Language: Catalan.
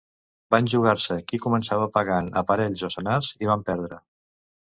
Van jugar-se qui començava pagant a parells o senars i van perdre.